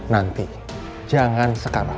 nanti jangan sekarang